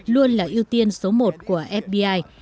luôn là ưu tiên số một của fbi